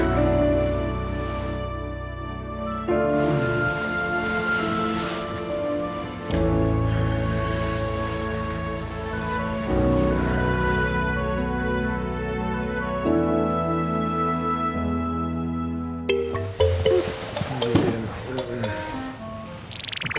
aku juga gak tahu